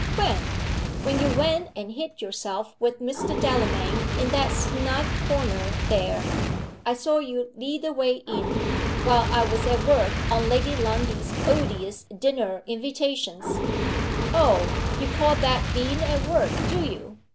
"When?" "When you went and hid yourself with Mr. Delamayn in that snug corner there. I saw you lead the way in, while I was at work on Lady Lundie's odious dinner invitations." "Oh! you call that being at work, do you?